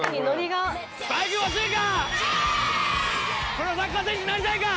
プロサッカー選手なりたいか？